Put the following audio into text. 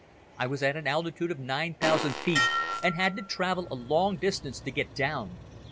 I was at an altitude of nine thousand feet and had to travel a long distance to get down.